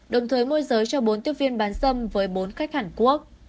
đồng thời môi giới cho bốn tiếp viên bán dâm với bốn khách hàn quốc